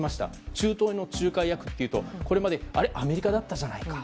中東の仲介役というと、これまでアメリカだったじゃないか。